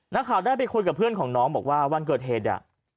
นักข่าวได้ไปคุยกับเพื่อนของน้องบอกว่าวันเกิดเหตุ